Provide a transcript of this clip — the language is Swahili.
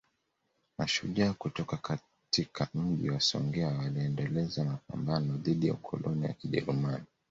Mashujaa kutoka katika Mji wa Songea waliendeleza mapambano dhidi ya ukoloni wa Kijerumani